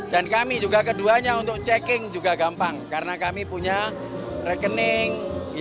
dan kami juga keduanya untuk checking juga gampang karena kami punya rekening